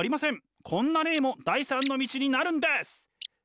こんな例も第３の道になるんです。